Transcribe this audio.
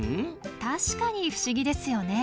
確かに不思議ですよね。